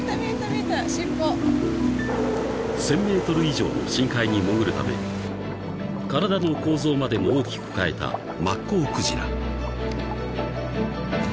［１，０００ｍ以上の深海に潜るため体の構造までも大きく変えたマッコウクジラ］